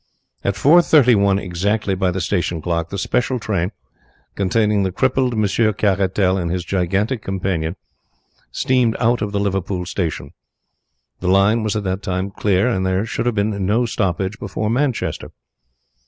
At four thirty one exactly by the station clock the special train, containing the crippled Monsieur Caratal and his gigantic companion, steamed out of the Liverpool station. The line was at that time clear, and there should have been no stoppage before Manchester.